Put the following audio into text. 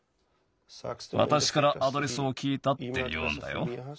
わたしからアドレスをきいたっていうんだよ。